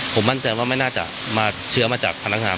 ผมมั่นใจว่าไม่น่าจะมาเชื้อมาจากพนักงาน